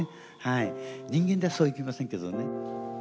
人間ではそういきませんけどね。